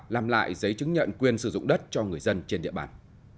làm lại giấy chứng nhận quyền sử dụng đất cho người dân trên địa bàn